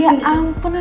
udah banget nih